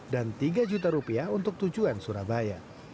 dan rp tiga untuk tujuan surabaya